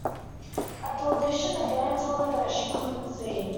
At the audition the band told her that she couldn't sing.